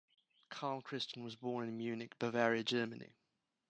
Carl Christian was born in Munich, Bavaria, Germany.